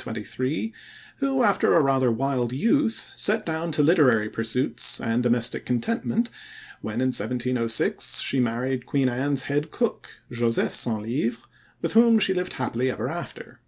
1667 1723), who, after a rather wild youth, settled down to literary pursuits and domestic contentment when, in 1706, she married Queen Anne's head cook, Joseph Centlivre, with whom she lived happily ever after.